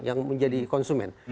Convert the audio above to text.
yang menjadi konsumen